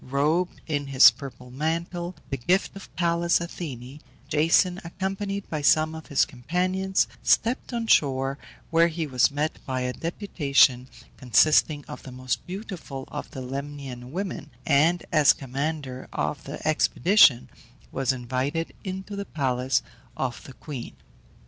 Robed in his purple mantle, the gift of Pallas Athene, Jason, accompanied by some of his companions, stepped on shore, where he was met by a deputation consisting of the most beautiful of the Lemnian women, and, as commander of the expedition, was invited into the palace of the queen.